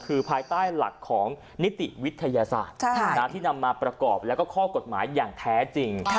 คือภายใต้หลักของนิติวิทยาศาสตร์ที่นำมาประกอบแล้วก็ข้อกฎหมายอย่างแท้จริง